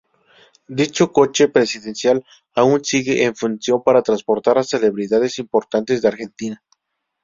Dicho coche presidencial aún sigue en función para transportar a celebridades importantes de Argentina.